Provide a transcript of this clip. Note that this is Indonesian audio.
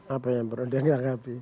apa yang berhubungan menanggapi